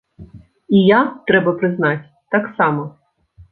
І я, трэба прызнаць, таксама.